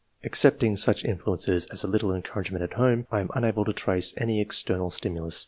Excepting such influence as a little encouragement at home, I am unable to trace any external stimulus.